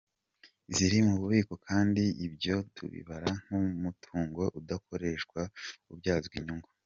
Ziri mu bubiko kandi ibyo tubibara nk’umutungo udakoreshwa, utabyazwa inyungu.